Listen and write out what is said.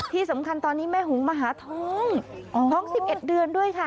ที่สำคัญตอนนี้แม่หุงมาหาท้องท้อง๑๑เดือนด้วยค่ะ